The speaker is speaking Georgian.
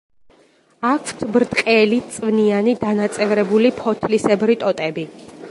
აქვთ ბრტყელი, წვნიანი დანაწევრებული ფოთლისებრი ტოტები.